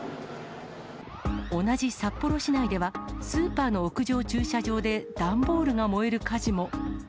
同じ札幌市内では、スーパーの屋上駐車場で段ボールが燃える火事も。